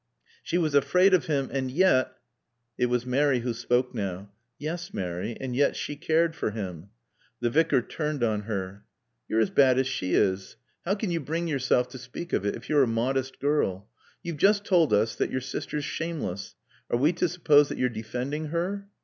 "She was afraid of him and yet " It was Mary who spoke now. "Yes, Mary. And yet she cared for him." The Vicar turned on her. "You're as bad as she is. How can you bring yourself to speak of it, if you're a modest girl? You've just told us that your sister's shameless. Are we to suppose that you're defending her?"